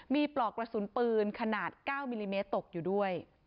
มีปลอกกระสุนปืนขนาด๙มิลลิเมตรตกอยู่ด้วย